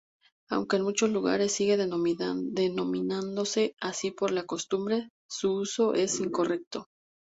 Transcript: Aunque en muchos lugares sigue denominándose así por la costumbre, su uso es incorrecto.